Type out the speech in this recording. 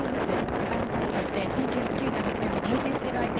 中山さんにとって１９９８年に対戦している相手。